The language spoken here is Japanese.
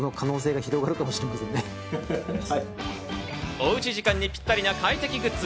おうち時間にぴったりな快適グッズ。